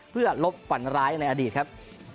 เพื่อลบฝันร้ายในอดีตครับ